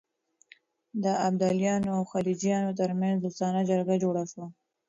د ابدالیانو او غلجیانو ترمنځ دوستانه جرګه جوړه شوه.